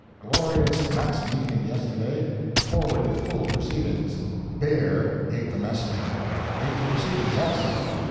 Glorious mass meeting yesterday. Forwarded full proceedings. Bear ate the messenger. Ate the proceedings also.